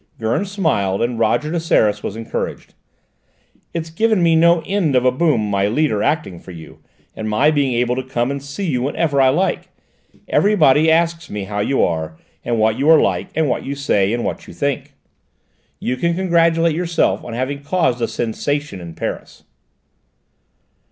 Gurn smiled and Roger de Seras was encouraged. "It's given me no end of a boom, my leader acting for you, and my being able to come and see you whenever I like! Everybody asks me how you are, and what you are like, and what you say, and what you think. You can congratulate yourself on having caused a sensation in Paris."